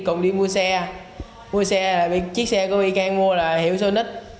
cùng đi mua xe mua xe là chiếc xe của vy cang mua là hiểu số nít